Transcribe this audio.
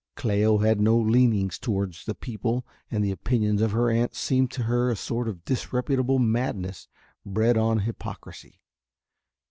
Cléo had no leanings towards the People and the opinions of her aunt seemed to her a sort of disreputable madness bred on hypocrisy.